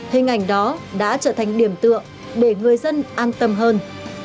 hình ảnh đó đã trở thành điểm tựa để người dân an tâm hơn